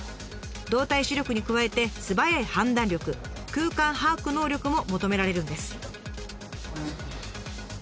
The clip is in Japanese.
動体視力に加えて素早い判断力空間把握能力も求められるんです。